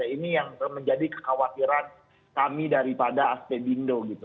ini yang menjadi kekhawatiran kami daripada aspek bindo gitu